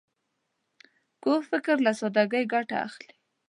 کوږ فکر له سادګۍ ګټه اخلي